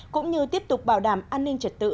cũng như tiếp tục bảo đảm an ninh trật tự